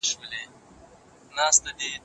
بلا ترې زیږي بلا پر اوري